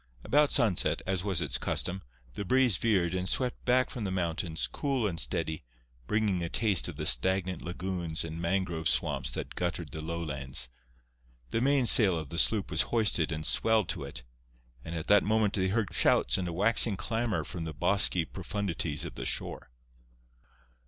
About sunset, as was its custom, the breeze veered and swept back from the mountains, cool and steady, bringing a taste of the stagnant lagoons and mangrove swamps that guttered the lowlands. The mainsail of the sloop was hoisted and swelled to it, and at that moment they heard shouts and a waxing clamour from the bosky profundities of the shore.